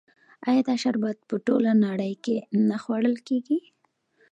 آیا دا شربت په ټوله نړۍ کې نه خوړل کیږي؟